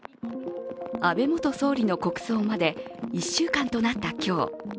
安倍元総理の国葬まで１週間となった今日。